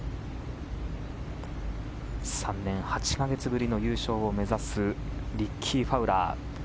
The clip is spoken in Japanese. ３年８か月ぶりの優勝を目指すリッキー・ファウラー。